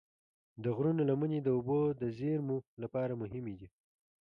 د غرونو لمنې د اوبو د زیرمو لپاره مهمې دي.